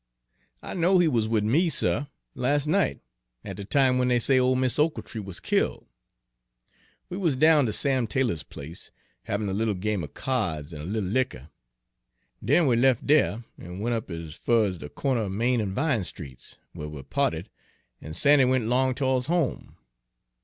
"I know he was wid me, suh, las' night, at de time when dey say ole Mis' Ochiltree wuz killed. We wuz down ter Sam Taylor's place, havin' a little game of kyards an' a little liquor. Den we lef dere an' went up ez fur ez de corner er Main an' Vine Streets, where we pa'ted, an' Sandy went 'long to'ds home.